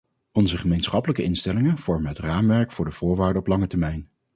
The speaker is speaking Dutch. Onze gemeenschappelijke instellingen vormen het raamwerk voor de voorwaarden op lange termijn.